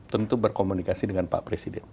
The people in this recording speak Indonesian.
tentu berkomunikasi dengan pak presiden